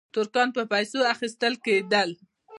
ترکان په پیسو اخیستل کېدل.